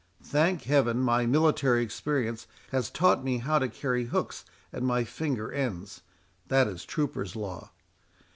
Thank Heaven, my military experience has taught me how to carry hooks at my finger ends—that is trooper's law.